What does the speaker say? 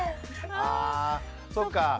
あそっか。